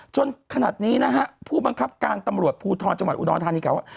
จนขนาดนี้นะฮะผู้บังคับการตำรวจภูทรจังหวัดอุดรธานีเก่าว่า